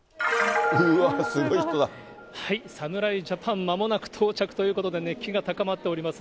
うわ、侍ジャパン、まもなく到着ということで、熱気が高まっています。